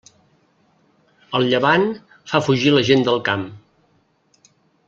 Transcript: El llevant fa fugir la gent del camp.